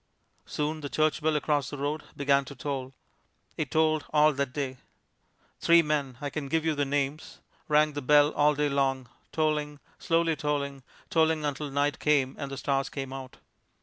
Soon the church bell across the road began to toll. It tolled all that day. Three men I can give you their names rang the bell all day long, tolling, slowly tolling, tolling until night came and the stars came out.